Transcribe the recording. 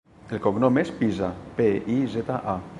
El cognom és Piza: pe, i, zeta, a.